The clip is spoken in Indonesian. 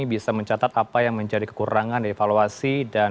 bisa mencatat apa yang menjadi kekurangan dievaluasi